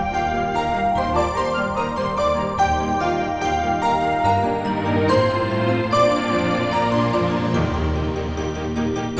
sudah tuh sekarang sudah terbuka rosak the doc